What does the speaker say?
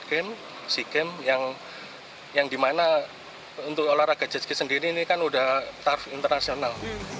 game si game yang yang dimana untuk olahraga jet ski sendiri ini kan udah tarif internasional